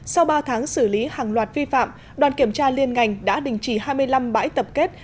sau ba tháng xử lý hàng loạt vi phạm đoàn kiểm tra liên ngành đã đình chỉ hai mươi năm bãi tập kết